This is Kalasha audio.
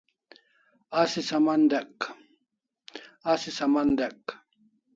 Asi saman dyek